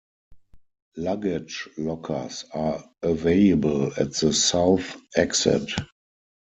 Luggage lockers are available at the south exit.